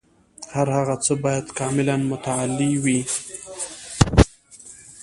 هر هغه څه باید کاملاً متعالي وي.